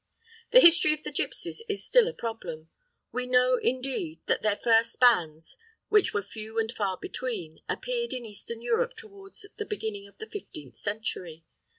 The history of the gipsies is still a problem. We know, indeed, that their first bands, which were few and far between, appeared in Eastern Europe towards the beginning of the fifteenth century.